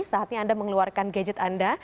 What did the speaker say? saatnya anda mengeluarkan gadget anda